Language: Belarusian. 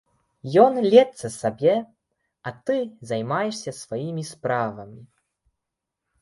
Ён ліецца сабе, а ты займаешся сваімі справамі.